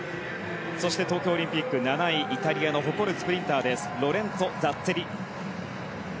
そして東京オリンピック７位イタリアの誇るスプリンターロレンツォ・ザッツェリ。